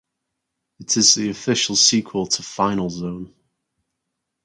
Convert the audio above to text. It is the official sequel to "Final Zone".